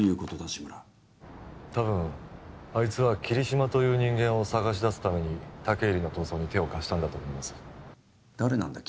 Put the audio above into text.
志村たぶんあいつは桐島という人間を捜し出すために武入の逃走に手を貸したんだと思います誰なんだ？